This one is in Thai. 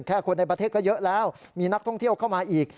คนในประเทศก็เยอะแล้วมีนักท่องเที่ยวเข้ามาอีก